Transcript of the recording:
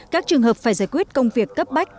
các trường hợp phải giải quyết công việc cấp bách